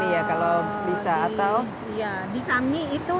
ya di kami itu